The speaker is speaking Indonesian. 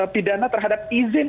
pidana terhadap izin